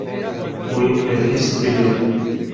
Wî bihîstiye.